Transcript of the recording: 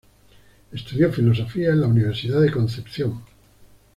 Estudió filosofía en la Universidad de Concepción.